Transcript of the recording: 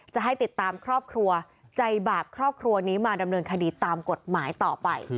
จะให้ติดตามครอบครัวใจบาปครอบครัวนี้มาดำเนินคดีตามกฎหมายต่อไป